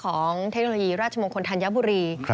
เทคโนโลยีราชมงคลธัญบุรี